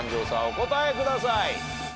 お答えください。